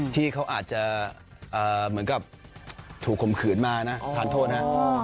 ที่เขาอาจจะเหมือนกับถูกข่มขืนมานะทานโทษนะ